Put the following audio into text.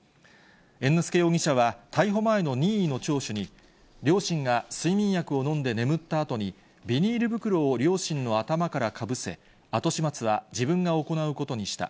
猿之助容疑者は、逮捕前の任意の聴取に、両親が睡眠薬を飲んで眠ったあとに、ビニール袋を両親の頭からかぶせ、後始末は自分が行うことにした。